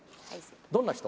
どんな人？